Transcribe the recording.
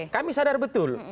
kami sadar betul